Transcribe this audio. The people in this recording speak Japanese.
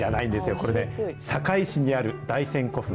これね、堺市にある大山古墳。